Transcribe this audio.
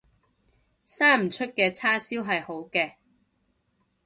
生唔出嘅叉燒係好嘅